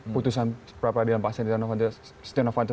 putusan peradilan pak stenovanto